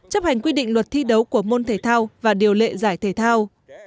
chấp hành quy định luật thi đấu của môn thể thao và điều lệ giải thể thao